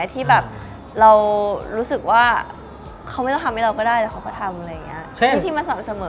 ที่เรารู้สึกว่าเขาไม่ต้องทำให้เราก็ได้แต่เขาก็ทำ